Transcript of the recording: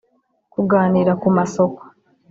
kuganira ku masoko